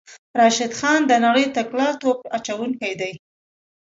راشد خان د نړۍ تکړه توپ اچوونکی دی.